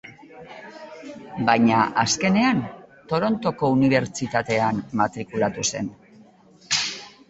Baina azkenean, Torontoko Unibertsitatean matrikulatu zen.